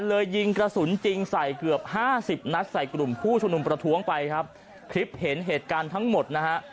ยิงกระสุนจริงใส่เกือบห้าสิบนัดใส่กลุ่มผู้ชุมนุมประท้วงไปครับคลิปเห็นเหตุการณ์ทั้งหมดนะฮะ